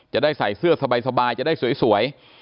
จะได้ใส่เสื้อสบายจะได้สวย